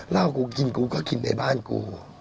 เหล้ากูกินกูก็กินในบ้านกู